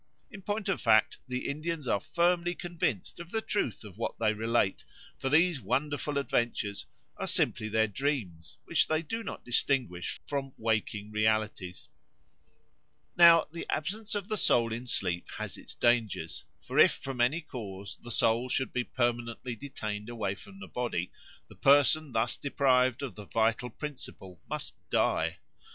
In point of fact the Indians are firmly convinced of the truth of what they relate; for these wonderful adventures are simply their dreams, which they do not distinguish from waking realities. Now the absence of the soul in sleep has its dangers, for if from any cause the soul should be permanently detained away from the body, the person thus deprived of the vital principle must die.